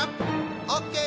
オッケー！